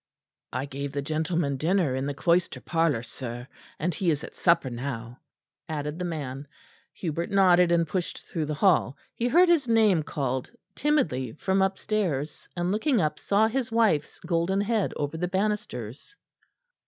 "I gave the gentleman dinner in the cloister parlour, sir; and he is at supper now," added the man. Hubert nodded and pushed through the hall. He heard his name called timidly from upstairs, and looking up saw his wife's golden head over the banisters.